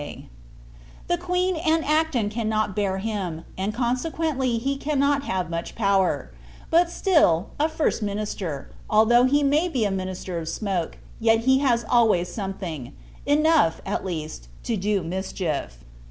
_ The Queen and Acton cannot bear him, and consequently [he] cannot have much power: but, still, a First Minister, although he may be a minister of smoke, yet he has always something; enough, at least, to do mischief.